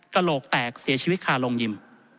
กระโหลกแตกเสียชีวิตคาโรงยิม